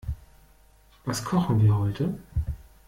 Was kochen wir heute?